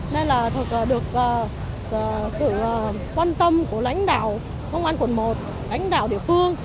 nên là được sự quan tâm của lãnh đạo công an quận một lãnh đạo địa phương